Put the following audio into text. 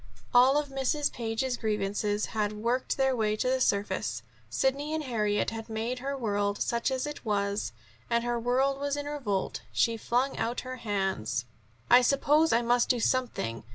All of Mrs. Page's grievances had worked their way to the surface. Sidney and Harriet had made her world, such as it was, and her world was in revolt. She flung out her hands. "I suppose I must do something.